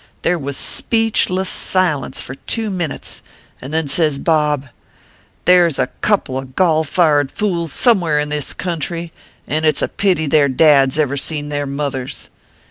There was speech less silence for two minits, and then says Bob :{ There s a couple of golfired fools somewheres in this country, and it s a pity their dads ever seen their mothers.